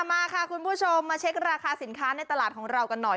มาค่ะคุณผู้ชมมาเช็คราคาสินค้าในตลาดของเรากันหน่อย